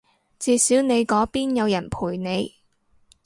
至少你嗰邊有人陪你